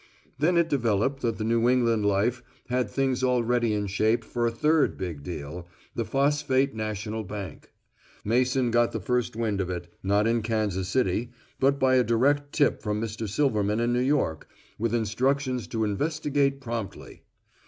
Then it developed that the New England Life had things already in shape for a third big deal the Phosphate National Bank. Mason got the first wind of it, not in Kansas City, but by a direct tip from Mr. Silverman in New York, with instructions to investigate promptly.